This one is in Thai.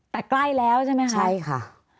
แต่ใกล้แล้วใช่ไหมค่ะ